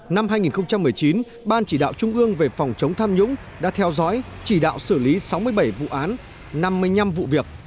năm hai nghìn một mươi chín ban chỉ đạo trung ương về phòng chống tham nhũng đã theo dõi chỉ đạo xử lý sáu mươi bảy vụ án năm mươi năm vụ việc